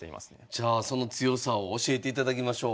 じゃあその強さを教えていただきましょう。